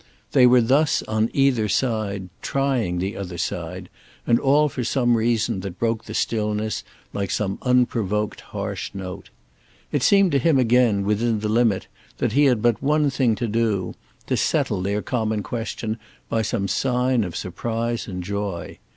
They were thus, on either side, trying the other side, and all for some reason that broke the stillness like some unprovoked harsh note. It seemed to him again, within the limit, that he had but one thing to do—to settle their common question by some sign of surprise and joy.